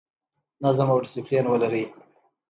نظم او ډیسپلین ولرئ